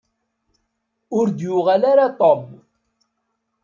Ur d-yuɣal ara Tom.